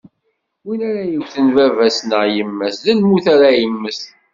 Win ara yewten baba-s neɣ yemma-s, d lmut ara yemmet.